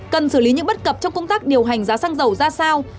cần xử lý những bất cập trong công tác điều hành giá xăng dầu ra sao